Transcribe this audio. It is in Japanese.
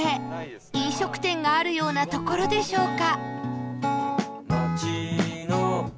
飲食店があるような所でしょうか？